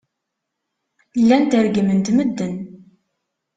Llant reggment medden.